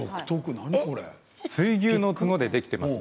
水牛の角でできています。